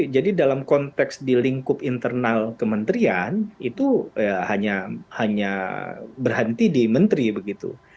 jadi dalam konteks di lingkup internal kementerian itu hanya berhenti di menteri begitu